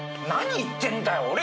何言ってんだよ。